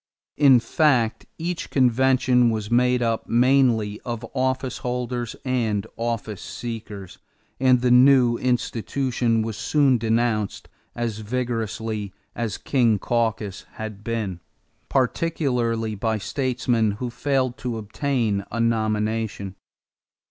In fact, each convention was made up mainly of office holders and office seekers, and the new institution was soon denounced as vigorously as King Caucus had been, particularly by statesmen who failed to obtain a nomination.